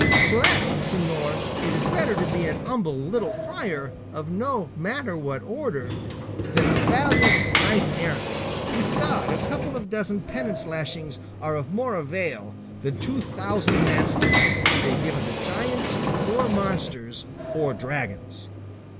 So that, señor, it is better to be an humble little friar of no matter what order, than a valiant knight errant; with God a couple of dozen of penance lashings are of more avail than two thousand lance thrusts, be they given to giants, or monsters, or dragons."